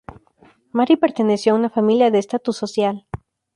Mary perteneció a una familia de estatus social.